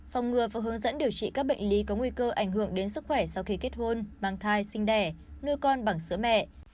phòng ngừa và hướng dẫn điều trị các bệnh lý có nguy cơ ảnh hưởng đến sức khỏe sau khi kết hôn mang thai sinh đẻ nuôi con bằng sữa mẹ